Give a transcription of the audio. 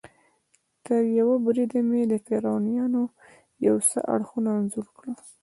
تریوه بریده مې د فرعونیانو یو څه اړخونه انځور کړل.